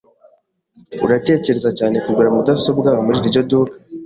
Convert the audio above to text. Uratekereza cyane. kugura mudasobwa muri iryo duka?